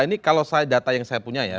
ini kalau data yang saya punya ya